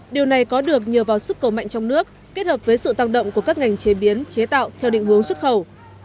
điều này có được nhờ vào sức cầu mạnh trong nước kết hợp với sự tăng động của các ngành chế biến chế tạo theo định hướng xuất khẩu